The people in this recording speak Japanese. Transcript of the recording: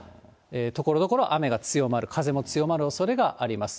ところどころ雨が強まる、風も強まるおそれがあります。